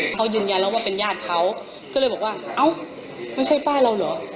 เขายืนยันแล้วว่าเป็นญาติเขาก็เลยบอกว่าเอ้าไม่ใช่ป้าเราเหรอ